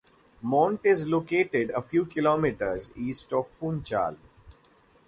Monte is located a few kilometres east of Funchal.